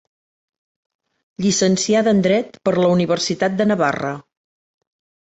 Llicenciada en dret per la Universitat de Navarra.